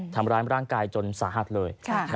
ทำร้ายร่างกายจนสาหัสเลย